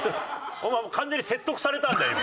お前完全に説得されたんだよ今。